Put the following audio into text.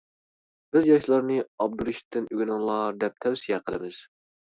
بىز ياشلارنى ئابدۇرېشىتتىن ئۆگىنىڭلار دەپ تەۋسىيە قىلىمىز.